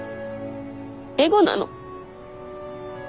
エゴなの。